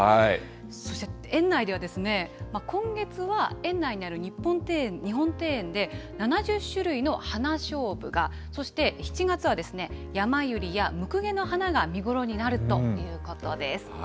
そして園内では、今月は園内にある日本庭園で、７０種類の花しょうぶが、そして７月はヤマユリやムクゲの花が見頃になるということです。